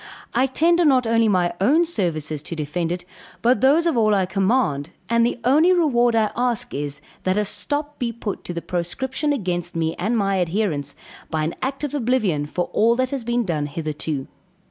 I tender not only my own services to defend it, but those of all I command; and the only reward I ask, is, that a stop be put to the proscription against me and my adherents, by an act of oblivion for all that has been done hitherto.